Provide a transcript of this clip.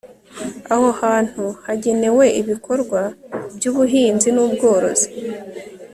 aho hantu hagenewe ibikorwa by'ubuhinzi n'ubworozi